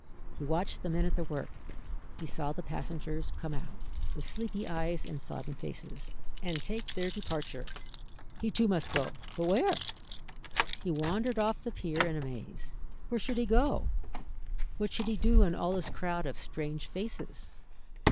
He watched the men at their work, he saw the passengers come out, with sleepy eyes and sodden faces, and take their departure. He too must go but where? He wandered off the pier in a maze. Where should he go? what should he do in all this crowd of strange faces?